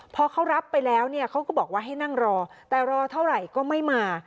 พอเขารับไปแล้วเนี่ยเขาก็บอกว่าให้นั่งรอแต่รอเท่าไหร่ก็ไม่มา